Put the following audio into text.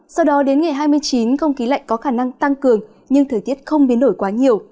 sau đó đến ngày hai mươi chín không khí lạnh có khả năng tăng cường nhưng thời tiết không biến đổi quá nhiều